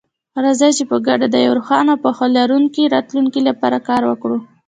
راځئ چې په ګډه د یو روښانه او پوهه لرونکي راتلونکي لپاره کار وکړو.